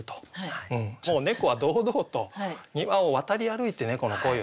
もう猫は堂々と庭を渡り歩いて猫の恋をする。